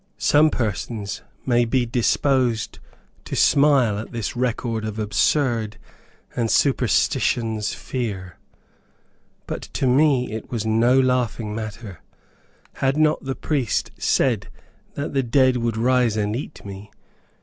Some persons may be disposed to smile at this record of absurd and superstitions fear. But to me it was no laughing affair. Had not the priest said that the dead would rise and eat me?